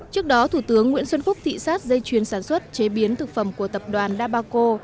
trước đó thủ tướng nguyễn xuân phúc thị xác dây chuyền sản xuất chế biến thực phẩm của tập đoàn dabaco